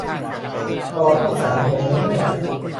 จอที่สามผมแล้วเนี่ย